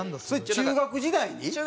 中学時代。